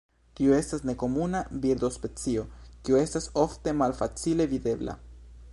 Tiu estas nekomuna birdospecio kiu estas ofte malfacile videbla.